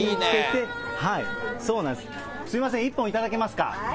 すみません、１本頂けますか。